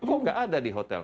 kok nggak ada di hotel